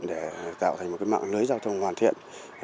để tạo thành một mạng lưới giao thông hoàn thiện